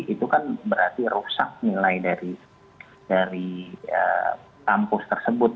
itu kan berarti rusak nilai dari kampus tersebut